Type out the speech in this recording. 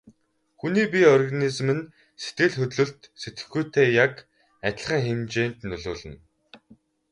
Хүний бие организм нь сэтгэл хөдлөлд сэтгэхүйтэй яг адилхан хэмжээнд нөлөөлнө.